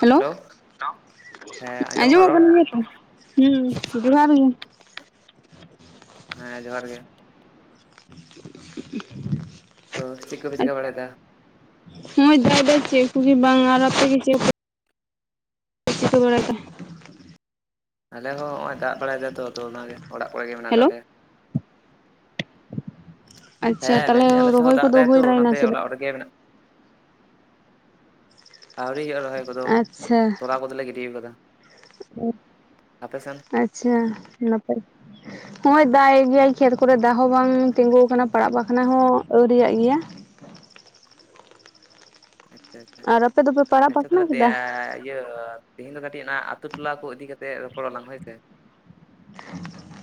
Hello ᱦᱮᱸ ᱠᱟᱱᱟ ᱟᱸᱡᱚᱢᱚᱜ ᱨᱚᱲ ᱠᱟᱱ ᱜᱮᱭᱟ ᱛᱚ? ᱦᱩᱸ ᱡᱩᱦᱟᱨ ᱜᱮ, ᱦᱮᱸ ᱡᱚᱦᱟᱨ ᱜᱮ, ᱛᱚ ᱪᱮᱫ ᱠᱚᱯᱮ ᱪᱮᱠᱟ ᱵᱟᱲᱟᱭᱮᱫᱟ? ᱦᱚᱸᱭ ᱫᱟᱜ ᱮᱫᱟᱭ ᱪᱮᱫ ᱠᱩᱜᱮ ᱵᱟᱝ, ᱟᱨ ᱟᱯᱮ ᱜᱮ ᱪᱮᱜᱼᱼ [unintelligible] ᱟᱞᱮ ᱦᱚᱸ ᱦᱚᱸᱜ ᱚᱭ ᱫᱟᱜ ᱵᱟᱲᱟᱭ ᱫᱟᱭ ᱛᱚ ᱛᱚ ᱚᱱᱟᱜ ᱚᱲᱟᱜ ᱠᱚᱨᱮ ᱜᱮ ᱢᱮᱱᱟᱜ ᱟᱠᱟᱫ ᱦᱮᱞᱳ ᱞᱮᱭᱟ᱾ ᱟᱪᱪᱷᱟ ᱦᱮᱸ ᱢᱮᱱᱫᱟᱹᱧ ᱛᱟᱦᱚᱞᱮ ᱟᱞᱮᱥᱮᱫ ᱦᱚᱸ ᱨᱚᱦᱚᱭ ᱫᱟᱜ ᱠᱚᱫᱚ ᱫᱟᱭ ᱦᱩᱭ ᱛᱚ ᱵᱟᱲᱟᱭᱮᱱᱟ ᱚᱱᱟᱛᱮ ᱥᱮ ᱵᱟᱝ? ᱚᱲᱟᱜ ᱨᱮᱜᱮ ᱢᱮᱱᱟᱜᱼᱼ ᱟᱹᱣᱨᱤ ᱦᱩᱭᱩᱜ-ᱟ ᱨᱚᱦᱚᱭ ᱠᱚᱫᱚ, ᱟᱪᱪᱷᱟ ᱛᱚᱞᱟ ᱠᱚᱫᱚᱞᱮ ᱜᱤᱰᱤᱣ ᱠᱟᱫᱟ᱾ [unintelligible] ᱟᱪᱪᱷᱟ ᱱᱟᱯᱟᱭᱼᱼ ᱱᱚᱜ-ᱚᱭ ᱫᱟᱜ ᱮᱜ ᱜᱮᱭᱟᱭ ᱠᱷᱮᱛ ᱠᱚᱨᱮ ᱫᱟᱜ ᱦᱚᱸ ᱵᱟᱝ ᱛᱤᱸᱜᱩ ᱟᱠᱟᱱᱟ ᱯᱟᱲᱟᱜ ᱵᱟᱠᱷᱟᱱᱟ ᱦᱚᱸ ᱟᱹᱣᱨᱤᱭᱟᱜ ᱜᱮᱭᱟ᱾ ᱟᱪᱪᱷᱟ-ᱟᱪᱪᱷᱟ ᱟᱨ ᱟᱯᱮ ᱫᱚᱯᱮ ᱯᱟᱲᱟᱜ ᱟᱪᱪᱷᱟ ᱵᱟᱠᱷᱱᱟ ᱛᱟᱦᱚᱞᱮ ᱠᱮᱫᱟ? ᱛᱮᱦᱮᱟᱻ ᱤᱭᱟᱹᱼᱼ ᱛᱮᱦᱤᱧ ᱫᱚ ᱠᱟᱹᱴᱤᱡ ᱚᱱᱟ ᱟᱛᱩ ᱴᱚᱞᱟ ᱠᱚ ᱤᱫᱤ ᱠᱟᱛᱮᱜ ᱨᱚᱯᱚᱲ ᱟᱞᱟᱝ, ᱦᱳᱭ ᱥᱮ?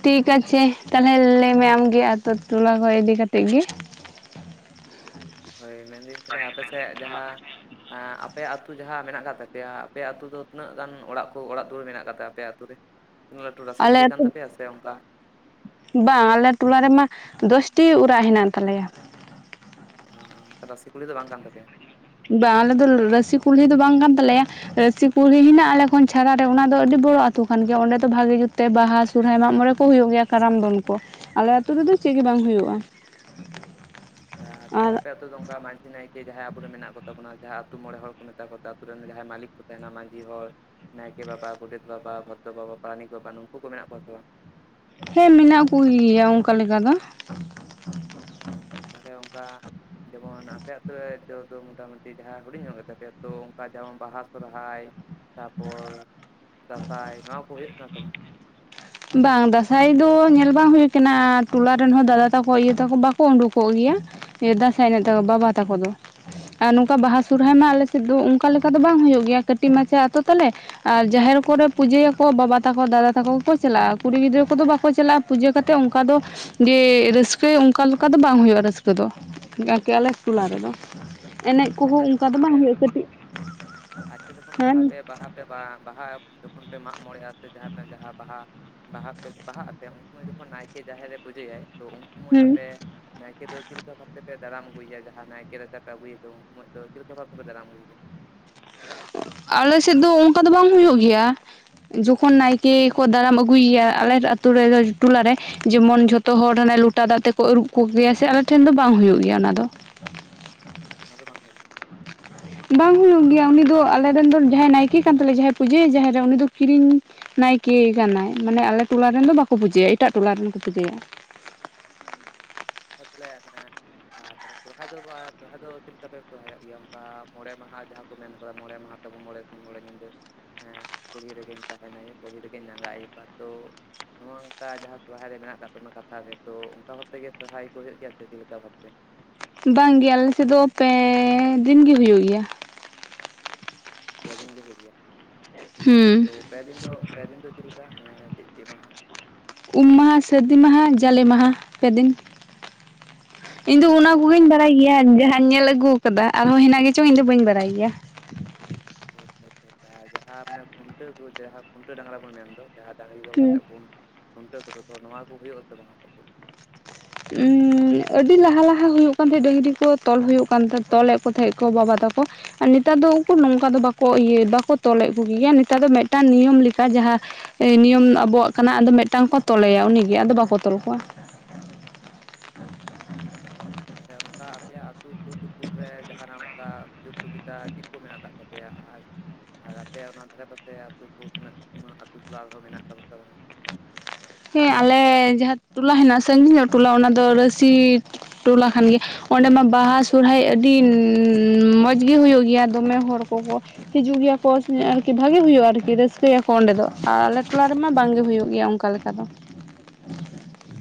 ᱴᱷᱤᱠ ᱷᱟᱪᱷᱮ ᱛᱟᱦᱞᱮ ᱞᱟᱹᱭᱢᱮ ᱟᱢᱜᱤ ᱟᱛᱳ ᱴᱚᱞᱟ ᱠᱚ ᱤᱫᱤ ᱠᱟᱛᱮᱜ ᱜᱮ ᱦᱳᱭ ᱢᱮᱱ ᱫᱟᱹᱧ ᱛᱟᱦᱞᱮ ᱟᱯᱮ ᱥᱮᱫ ᱡᱟᱦᱟᱸ ᱮᱸᱻ ᱟᱯᱮ ᱟᱛᱩ ᱡᱟᱦᱟᱸ ᱢᱮᱱᱟᱜ ᱠᱟᱜ ᱛᱟᱯᱮᱭᱟ ᱟᱯᱮ ᱭᱟᱜ ᱟᱛᱩ ᱫᱚ ᱛᱤᱱᱟᱹᱜ ᱜᱟᱱ ᱚᱲᱟᱜ ᱠᱚ ᱚᱲᱟᱜ ᱫᱩᱣᱟᱹᱨ ᱢᱮᱱᱟᱜ ᱟᱠᱟᱫ ᱛᱟᱯᱮᱭᱟ ᱾ ᱛᱩ ᱨᱮ᱾ ᱨᱟᱥᱤ ᱟᱞᱮ ᱠᱩᱞᱦᱤ ᱟᱹᱛᱩ ᱠᱟᱱ ᱛᱟᱯᱮᱭᱟ ᱥᱮ ᱚᱱᱠᱟ ᱵᱟᱝ ᱟᱞᱮ ᱴᱩᱞᱟ ᱨᱮᱢᱟ ᱫᱚᱥᱴᱤ ᱚᱲᱟᱜ ᱦᱮᱱᱟᱜ ᱛᱟᱞᱮᱭᱟ᱾ ᱚ ᱨᱟᱥᱤ ᱠᱩᱞᱦᱤ ᱫᱚ ᱵᱟᱝ ᱠᱟᱱ ᱛᱟᱯᱮᱭᱟ? ᱵᱟᱝ ᱟᱞᱮ ᱫᱚ ᱨᱟᱹᱥᱤ ᱠᱩᱞᱦᱤ ᱫᱚ ᱵᱟᱝ ᱠᱟᱱ ᱛᱟᱞᱮᱭᱟ ᱨᱟᱹᱥᱤ ᱠᱩᱞᱦᱤ ᱦᱮᱱᱟᱜᱼᱟ᱾ ᱟᱞᱮ ᱠᱷᱚᱱ ᱪᱷᱟᱲᱟ ᱨᱮ ᱚᱱᱟ ᱫᱚ ᱟᱹᱰᱤ ᱵᱚᱲᱚ ᱟᱹᱛᱳ ᱠᱟᱱ ᱜᱮᱭᱟ᱾ ᱚᱸᱰᱮ ᱫᱚ ᱵᱷᱟᱜᱤ ᱡᱩᱛ ᱛᱮ ᱵᱟᱦᱟ ᱥᱚᱨᱦᱟᱭ ᱢᱟᱜ ᱢᱚᱬᱮ ᱠᱚ ᱦᱳᱭᱳᱜ ᱜᱮᱭᱟ᱾, ᱠᱟᱨᱟᱢ ᱫᱚᱱ ᱠᱚ ᱟᱞᱮ ᱟᱹᱛᱩ ᱨᱮ ᱫᱚ ᱪᱮᱫ ᱜᱮ ᱵᱟᱝ ᱦᱳᱭᱳᱜᱼᱟ᱾ ᱟᱪᱪᱷᱟ, ᱛᱟᱦᱞᱮ ᱟᱯᱮ ᱟᱹᱛᱩ ᱫᱚ ᱚᱱᱠᱟ ᱢᱟᱹᱡᱷᱤ [unintelligible] ᱱᱟᱭᱠᱮ ᱡᱟᱦᱟᱸᱭ ᱟᱵᱚᱨᱮᱱ ᱢᱮᱱᱟᱜ ᱠᱚ ᱛᱟᱵᱚᱱᱟ ᱡᱟᱦᱟ ᱟᱛᱩ ᱢᱚᱬᱮ ᱦᱚᱲ ᱠᱚ ᱢᱤᱛᱟ ᱠᱚ ᱟᱛᱩ ᱨᱮᱱ ᱡᱟᱦᱟᱸᱭ ᱢᱟᱹᱞᱤᱠ ᱠᱚ ᱛᱟᱦᱮᱱᱟ ᱢᱟᱹᱡᱷᱤ ᱦᱚᱲ ᱱᱟᱭᱠᱮ ᱵᱟᱵᱟ ᱜᱳᱰᱮᱛ ᱵᱟᱵᱟ ᱵᱷᱚᱫᱽᱫᱚ ᱵᱟᱵᱟ ᱯᱟᱨᱟᱱᱤᱠ ᱵᱟᱵᱟ ᱱᱩᱠᱩ ᱠᱚ ᱢᱮᱱᱟᱜ ᱠᱚᱣᱟ ᱥᱮ ᱵᱟᱝ? ᱦᱮᱸ ᱢᱮᱱᱟᱜ ᱠᱩᱜᱮ ᱭᱟ ᱚᱱᱠᱟ ᱞᱮᱠᱟ ᱫᱚ᱾ ᱦᱩᱸ ᱛᱟᱦᱞᱮ ᱚᱱᱠᱟ ᱡᱮᱢᱚᱱ ᱟᱯᱮ ᱟᱛᱩ ᱨᱮ [unintelligible] ᱫᱚ ᱢᱚᱴᱟ ᱢᱩᱴᱤ ᱡᱟᱦᱟᱸᱭ ᱦᱩᱰᱤᱧ ᱧᱚᱜ ᱜᱮᱛᱟ ᱯᱮᱭᱟ ᱛᱚ ᱚᱱᱠᱟ ᱡᱮᱢᱚᱱ ᱵᱟᱦᱟ ᱥᱚᱨᱦᱟᱭ ᱛᱟᱯᱚᱨ ᱫᱟᱸᱥᱟᱭ ᱱᱚᱣᱟ ᱠᱚ ᱦᱳᱭᱳᱜ ᱠᱟᱱ ᱥᱮ ᱵᱟᱝ? ᱵᱟᱝ ᱫᱟᱸᱥᱟᱭ ᱫᱚ ᱧᱮᱞ ᱵᱟᱝ ᱦᱩᱭ ᱟᱠᱟᱱᱟ ᱴᱩᱞᱟ ᱨᱮᱱ ᱦᱚᱸ ᱫᱟᱫᱟ ᱛᱟᱠᱚ ᱤᱭᱟᱹ ᱛᱟᱠᱚ ᱵᱟᱠᱚ ᱩᱰᱩᱠᱚᱜ ᱜᱮᱭᱟ᱾ ᱫᱟᱸᱟᱭ ᱮᱱᱮᱡ ᱫᱚ ᱵᱟᱵᱟ ᱛᱟᱠᱚ ᱫᱚ ᱟᱨ ᱱᱚᱝᱠᱟ ᱵᱟᱦᱟ ᱥᱩᱨᱦᱟᱭ ᱢᱟ ᱟᱞᱮ ᱥᱤᱫ ᱫᱩ ᱩᱱᱠᱟ ᱞᱮᱠᱟ ᱫᱚ ᱵᱟᱝ ᱦᱳᱭᱳᱜ ᱜᱮᱭᱟ, ᱠᱟᱹᱴᱤᱡ ᱢᱟᱪᱷᱟ ᱟᱛᱳ ᱛᱟᱞᱮ ᱟᱨ ᱡᱟᱦᱮᱨ ᱠᱚᱨᱮ ᱯᱩᱡᱟᱹ ᱭᱟᱠᱚ ᱵᱟᱵᱟ ᱛᱟᱠᱚ ᱫᱟᱫᱟ ᱛᱟᱠᱚ ᱪᱟᱞᱟᱜᱼᱟ᱾ ᱠᱩᱲᱤ ᱜᱤᱫᱽᱨᱟᱹ ᱠᱚ ᱫᱚ ᱵᱟᱠᱚ ᱪᱟᱞᱟᱜᱼᱟ᱾ ᱯᱩᱡᱟᱹ ᱠᱟᱛᱮᱫ ᱚᱱᱠᱟ ᱫᱚ ᱡᱮ ᱨᱟᱹᱥᱠᱟᱹ ᱚᱱᱠᱟ ᱞᱮᱠᱟ ᱫᱚ ᱵᱟᱝ ᱦᱩᱭᱩᱜᱼᱟ ᱨᱟᱹᱥᱠᱟᱹ ᱫᱚ ᱟᱨᱠᱤ ᱟᱞᱮ ᱴᱚᱞᱟ ᱨᱮ ᱫᱚ ᱾ ᱮᱱᱮᱡ ᱠᱚ ᱟᱪᱪᱷᱟ ᱦᱚᱸ ᱚᱱᱠᱟ ᱡᱚᱠᱷᱚᱱ ᱫᱚ ᱵᱟᱝ ᱟᱯᱮ ᱦᱩᱭᱩᱜᱼᱟ ᱠᱟᱹᱴᱤᱡ ᱦᱟᱸᱱ ᱥᱮ ᱵᱟᱦᱟ ᱡᱚᱠᱷᱚᱱ ᱯᱮ ᱢᱟᱜ ᱢᱚᱬᱮᱜᱼᱟ ᱥᱮ ᱡᱟᱦᱟᱸ ᱯᱮ ᱡᱟᱦᱟᱸ ᱵᱟᱦᱟ ᱵᱟᱦᱟ ᱯᱮ ᱵᱟᱦᱟᱜ ᱟᱯᱮ ᱩᱱ ᱥᱚᱢᱚᱭ ᱡᱚᱠᱷᱚᱱ ᱱᱟᱭᱠᱮ ᱡᱟᱦᱮᱨ ᱨᱮ ᱯᱩᱡᱟᱹᱭᱟᱭ ᱛᱚ ᱩᱱ ᱥᱚᱢᱚᱭ ᱦᱩᱸ ᱟᱯᱮ ᱱᱟᱭᱠᱮ ᱫᱚ ᱪᱮᱫ ᱞᱮᱠᱟ ᱵᱷᱟᱯ ᱛᱮ ᱯᱮ ᱫᱟᱨᱟᱢ ᱟᱹᱜᱩᱭ ᱮᱭᱟ ᱡᱟᱦᱟᱸ ᱱᱟᱭᱠᱮ ᱨᱟᱪ ᱯᱮ ᱟᱹᱜᱩᱭᱟ ᱮ ᱫᱚ ᱾ ᱥᱚᱢᱚᱭ ᱫᱚ ᱪᱮᱫ ᱞᱮᱠᱟ ᱵᱷᱟᱵ ᱯᱮ ᱫᱟᱨᱟᱢ ᱜᱮᱭᱟ᱾ ᱟᱞᱮ ᱥᱮᱫ ᱫᱚ ᱚᱱᱠᱟ ᱫᱚ ᱵᱟᱝ ᱦᱩᱭᱩᱜ ᱜᱮᱭᱟ᱾ ᱡᱚᱠᱷᱚᱱ ᱱᱟᱭᱠᱮ ᱠᱚ ᱫᱟᱨᱟᱢ ᱟᱹᱜᱩᱭ ᱮᱭᱟ ᱟᱞᱮ ᱟᱛᱳ ᱨᱮ ᱴᱚᱞᱟ ᱨᱮ ᱡᱮᱢᱚᱱ ᱡᱷᱚᱛᱚ ᱦᱚᱲ ᱦᱟᱱᱮ ᱞᱚᱴᱟ ᱫᱟᱜ ᱛᱮ ᱠᱚ ᱟᱹᱨᱩᱵ ᱠᱚ ᱜᱮᱭᱟ ᱥᱮ ᱟᱞᱮ ᱴᱷᱮᱱ ᱫᱚ ᱵᱟᱝ ᱦᱩᱭᱩᱜ ᱜᱮᱭᱟ ᱚᱱᱟ ᱫᱚ᱾ ᱚᱱᱟ ᱫᱚ ᱵᱟᱝ ᱦᱳᱭᱳᱜᱼᱟ ᱾ ᱵᱟᱝ ᱦᱩᱭᱩᱜ ᱜᱮᱭᱟ ᱩᱱᱤ ᱫᱚ ᱟᱞᱮᱨᱮ ᱨᱮᱱ ᱫᱚ ᱡᱟᱦᱟᱸᱭ ᱱᱟᱭᱠᱮ ᱠᱟᱱ ᱛᱟᱞᱮᱭᱟ ᱡᱟᱦᱟᱸᱭ ᱯᱩᱡᱟᱹᱭᱟᱭ ᱡᱟᱦᱮᱨ ᱨᱮ ᱩᱱᱤ ᱫᱚ ᱠᱤᱨᱤᱧ ᱱᱟᱭᱠᱮ ᱠᱟᱱᱟᱭ ᱢᱟᱱᱮ ᱟᱞᱮ ᱴᱚᱞᱟᱮᱱ ᱫᱚ ᱵᱟᱠᱚ ᱯᱩᱡᱟᱹᱭᱟ ᱮᱴᱟᱜ ᱴᱚᱞᱟᱮᱱ ᱠᱚ ᱯᱩᱡᱟᱹᱭᱟ [unintelligible] ᱟᱨ ᱛᱟᱞᱦᱮ ᱥᱚᱨᱦᱟᱭ ᱫᱚ ᱥᱚᱨᱦᱟᱭ ᱫᱚ ᱪᱮᱫ ᱞᱮᱠᱟ ᱯᱮ ᱥᱚᱨᱦᱟᱭ ᱚᱜ ᱜᱮᱭᱟ ᱚᱱᱠᱟ ᱢᱚᱬᱮ ᱢᱟᱦᱟ ᱡᱟᱦᱟᱸ ᱠᱚ ᱢᱮᱱ ᱠᱟᱫᱟ ᱢᱚᱬᱮ ᱢᱟᱦᱟ᱾ ᱢᱚᱬᱮ ᱥᱤᱧ ᱢᱚᱬᱮ ᱧᱤᱫᱟᱹ ᱠᱩᱞᱦᱤ ᱨᱮᱜᱮᱢ ᱛᱟᱦᱮᱱᱟ ᱠᱩᱞᱦᱤ ᱨᱮᱜᱮᱢ ᱟᱜᱟᱜ ᱟᱭᱩᱵ ᱟ ᱛᱚ ᱱᱚᱜ ᱱᱚᱝᱠᱟ ᱡᱟᱦᱟᱸ ᱥᱚᱨᱦᱟᱭ ᱨᱮ ᱢᱮᱱᱟᱜ ᱟᱠᱟᱫ ᱛᱟᱵᱚᱱᱟ ᱠᱟᱛᱷᱟ ᱨᱮ ᱛᱚ ᱚᱱᱠᱟ ᱦᱚᱸ ᱛᱮ ᱜᱮ ᱥᱚᱦᱨᱟᱭ ᱠᱚ ᱦᱩᱭᱩᱜ ᱜᱮᱭᱟ ᱥᱮ ᱪᱮᱫ ᱞᱮᱠᱟ ᱵᱷᱟᱵᱛᱮ᱾ ᱵᱟᱝ ᱜᱮ ᱟᱞᱮᱥ ᱫᱚ ᱯᱮ ᱫᱤᱱ ᱜᱮ ᱦᱩᱭ ᱱᱟ᱾ ᱯᱮ ᱫᱤᱱ ᱜᱮ ᱦᱳᱭᱳᱜ ᱜᱮᱭᱟ᱾ ᱦᱩᱸ ᱚ ᱯᱮᱫᱤᱱ ᱫᱚ ᱯᱮᱫᱤᱱ ᱫᱚ ᱪᱮᱫ ᱞᱮᱠᱟ ᱚᱱᱮ ᱪᱮᱫ ᱪᱮᱫ ᱢᱟᱦᱟ᱾ ᱩᱢ ᱢᱟᱦᱟ ᱥᱟᱹᱨᱫᱤ ᱢᱟᱦᱟ ᱡᱟᱞᱮ ᱢᱟᱦᱟ ᱯᱮᱫᱤᱱ᱾ ᱤᱧ ᱫᱚ ᱛᱟᱦᱚᱞᱮ ᱚᱱᱟ ᱡᱟᱦᱟᱸ ᱠᱚᱜᱮᱧ ᱰᱟᱝᱨᱟ ᱵᱟᱲᱟᱭ ᱜᱮᱭᱟ ᱡᱟᱦᱟᱸᱧ ᱧᱮᱞ ᱟᱹᱜᱩ ᱟᱠᱟᱫᱟ ᱟᱨᱦᱚᱸ ᱦᱮᱱᱟᱜ ᱜᱮᱪᱚᱝ ᱤᱧ ᱫᱚ ᱵᱟᱹᱧ ᱵᱟᱰᱟᱭ ᱜᱮᱭᱟ ᱦᱳᱭ ᱟᱪᱷᱟ ᱟᱪᱷᱟ ᱟᱨ ᱡᱟᱦᱟᱸ ᱢᱟᱱᱮ ᱠᱷᱩᱱᱴᱟᱹᱣ ᱠᱚ ᱡᱟᱦᱟᱸ ᱠᱷᱩᱱᱴᱟᱹ ᱰᱟᱝᱨᱟ ᱵᱚᱱ ᱢᱮᱱ ᱫᱚ, ᱡᱟᱦᱟᱸ ᱰᱟᱹᱝᱨᱤ ᱛᱚᱞ ᱦᱩᱸ ᱠᱟᱛᱮᱫ ᱵᱚᱱ ᱠᱷᱩᱱᱴᱟᱹᱣ ᱠᱚᱫᱚ ᱛᱚᱵᱮ ᱱᱚᱣᱟ ᱠᱚ ᱦᱩᱭᱩᱜ ᱟᱥᱮ ᱵᱟᱝᱟ ᱟᱯᱮᱥᱮᱫ? ᱩᱸᱻ ᱟᱹᱰᱤ ᱞᱟᱦᱟ ᱞᱟᱦᱟ ᱦᱩᱭᱩᱜ ᱠᱟᱱ ᱛᱟᱦᱮᱸᱫ ᱰᱟᱹᱝᱨᱤ ᱠᱚ ᱛᱚᱞ ᱦᱩᱭᱩᱜ ᱠᱟᱱ ᱛᱟᱦᱮᱸ ᱛᱚᱞᱮᱫ ᱠᱚ ᱛᱟᱦᱮᱸᱫ ᱠᱚ ᱵᱟᱵᱟ ᱛᱟᱠᱚ᱾ ᱟ ᱱᱮᱛᱟᱨ ᱫᱚ ᱩᱱᱠᱩ ᱱᱚᱝᱠᱟ ᱫᱚ ᱤᱭᱟᱹ ᱵᱟᱠᱚ ᱛᱚᱞᱮᱫ ᱠᱚᱜᱮᱭᱟ, ᱱᱮᱛᱟᱨ ᱫᱚ ᱢᱤᱫᱴᱟᱱ ᱱᱤᱭᱚᱢ ᱞᱮᱠᱟ ᱡᱟᱦᱟᱸ ᱮ ᱱᱤᱭᱚᱢ ᱟᱵᱚᱣᱟᱜ ᱠᱟᱱᱟ, ᱟᱫᱚ ᱢᱤᱫᱴᱟᱝ ᱠᱚ ᱛᱚᱞᱮᱭᱟ ᱩᱱᱤᱜᱮ ᱟᱫᱚ ᱵᱟᱠᱚ ᱛᱚᱞ ᱠᱚᱣᱟ᱾ [inaudible] ᱟᱪᱷᱟ ᱪᱷᱟ ᱛᱟᱦᱚᱞᱮ ᱱᱚᱝᱠᱟ ᱟᱯᱮᱭᱟᱜ ᱟᱹᱛᱩ ᱥᱩᱨ ᱥᱩ ᱥᱩᱨ ᱨᱮ ᱡᱟᱸᱦᱟᱱᱟᱜ ᱚᱝᱠᱟ ᱥᱩᱡᱩᱜ ᱥᱩᱵᱤᱫᱟ ᱪᱮᱫ ᱠᱚ ᱢᱮᱱᱟᱜ ᱠᱟᱜ ᱛᱟᱯᱮᱭᱟ? ᱟᱨ ᱟᱨ ᱟᱯᱮ ᱚᱱᱟ ᱫᱷᱟᱨᱮ ᱯᱟᱥᱮ ᱟᱹᱛᱩ ᱠᱚ ᱛᱤᱱᱟᱹᱜ ᱩᱱᱟᱹ ᱟᱹᱛᱩ ᱴᱚᱞᱟ ᱨᱮᱦᱚᱸ ᱢᱮᱱᱟᱜ ᱠᱟᱫᱟ ᱥᱮ ᱵᱟᱝᱟ? ᱦᱮᱸ ᱟᱞᱮ ᱡᱟᱦᱟᱸ ᱴᱚᱞᱟ ᱦᱮᱸᱱᱟᱜᱼᱟ ᱥᱟᱺᱜᱤᱧ ᱧᱚᱜ ᱴᱚᱞᱟ ᱚᱱᱟ ᱫᱚ ᱨᱟᱹᱥᱤ ᱴᱚᱞᱟ ᱠᱟᱱ ᱜᱮᱭᱟ ᱚᱸᱰᱮ ᱢᱟ ᱵᱟᱦᱟ ᱥᱚᱨᱦᱟᱭ ᱟᱹᱰᱤ ᱢᱚᱡᱽ ᱜᱮ ᱦᱩᱭᱩᱜ ᱜᱮᱭᱟ ᱫᱚᱢᱮ ᱦᱚᱲ ᱠᱚ ᱠᱚ ᱦᱤᱡᱩᱜ ᱜᱮᱭᱟ ᱠᱚ ᱟᱨᱠᱤ ᱵᱷᱟᱹᱜᱤ ᱦᱩᱭᱩᱜᱼᱟ ᱟᱨᱠᱤ ᱨᱟᱹᱥᱠᱟᱹᱭᱟᱠᱚ ᱚᱸᱰᱮ ᱫᱚ, ᱟᱨ ᱟᱞᱮ ᱴᱚᱞᱟ ᱨᱮᱢᱟ ᱵᱟᱝᱜᱮ ᱦᱩᱭᱩᱜ ᱜᱮᱭᱟ ᱚᱝᱠᱟ ᱠᱟ ᱞᱮᱠᱟ ᱫᱚ᱾